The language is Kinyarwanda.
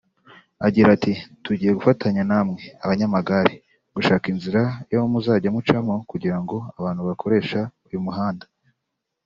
Agira ati “…tugiye gufatanya namwe (abanyamagare) gushaka inzira yo muzajya mucamo kugira ngo abantu bakoresha uyu muhanda